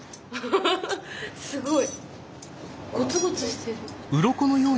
すごい！